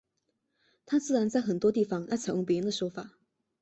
他自然在很多地方要采用别人的说法。